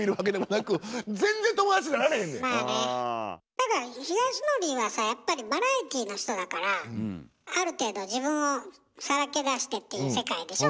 だからひがしのりはさやっぱりバラエティーの人だからある程度自分をさらけ出してっていう世界でしょ？